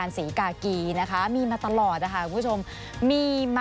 สนุนโดยน้ำดื่มสิง